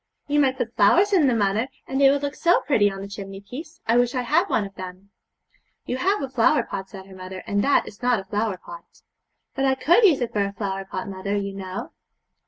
'You might put flowers in them, mother, and they would look so pretty on the chimney piece. I wish I had one of them.' 'You have a flower pot,' said her mother, 'and that is not a flower pot.' 'But I could use it for a flower pot, mother, you know.'